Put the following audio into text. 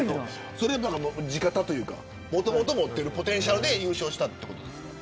それは地肩というかもともと持ってるポテンシャルで優勝したということですか。